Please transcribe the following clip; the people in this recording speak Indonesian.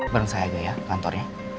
bermen saya aja ya kantor